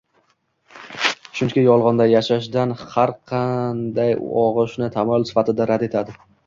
chunki “yolg‘onda yashash” dan har qanday og‘ishni Tamoyil sifatida rad etadi